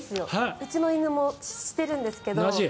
うちの犬もしてるんですけど。